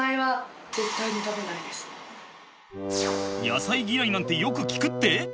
野菜嫌いなんてよく聞くって？